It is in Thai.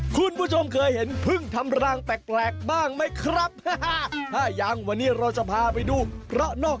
คุณผู้ชมเคยเห็นพึ่งทำรังแปลกบ้างไหมครับ